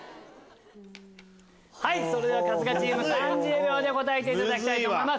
それでは春日チーム３０秒で答えていただきます。